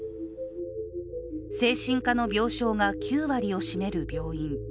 精神科の病床が９割を占める病院。